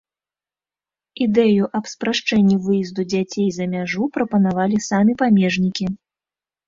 Ідэю аб спрашчэнні выезду дзяцей за мяжу прапанавалі самі памежнікі.